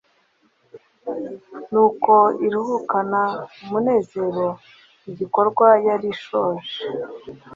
Nuko iruhukana umunezcro igikorwa yari ishohoje.